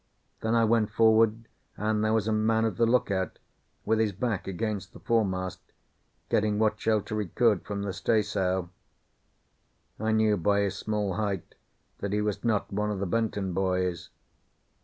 Then I went forward, and there was a man at the lookout, with his back against the foremast, getting what shelter he could from the staysail. I knew by his small height that he was not one of the Benton boys.